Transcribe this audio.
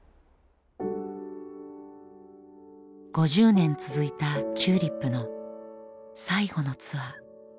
５０年続いたＴＵＬＩＰの最後のツアー。